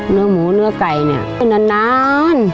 เนื้อหมูเนื้อไก่เนี่ยไปนาน